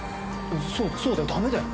そうそうだよダメだよ。